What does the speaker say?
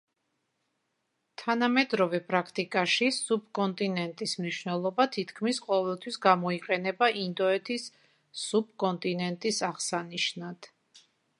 თანამედროვე პრაქტიკაში სუბკონტინენტის მნიშვნელობა თითქმის ყოველთვის გამოიყენება ინდოეთის სუბკონტინენტის აღსანიშნად.